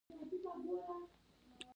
دوی د خپلې راتلونکې په اړه فکر کوي.